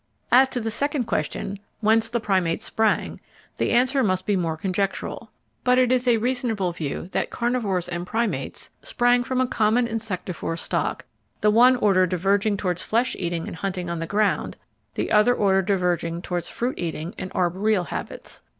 As to the second question: Whence the Primates sprang, the answer must be more conjectural. But it is a reasonable view that Carnivores and Primates sprang from a common Insectivore stock, the one order diverging towards flesh eating and hunting on the ground, the other order diverging towards fruit eating and arboreal habits.